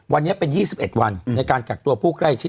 วันนี้เป็น๒๑วันในการกักตัวผู้ใกล้ชิด